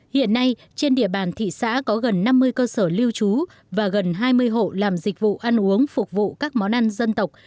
hiện nay trên địa bàn thị xã có gần năm mươi cơ sở lưu trú và gần hai mươi hộ làm dịch vụ ăn uống phục vụ các món ăn dân tộc